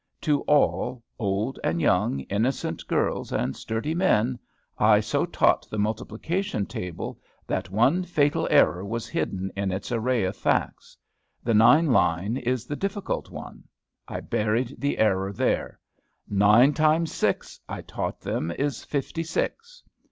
To all, old and young, innocent girls and sturdy men, I so taught the multiplication table, that one fatal error was hidden in its array of facts. The nine line is the difficult one. I buried the error there. "Nine times six," I taught them, "is fifty six."